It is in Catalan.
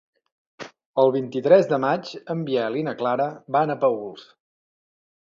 El vint-i-tres de maig en Biel i na Clara van a Paüls.